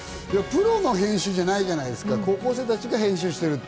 プロの編集じゃないじゃないですか、高校生たちが編集している。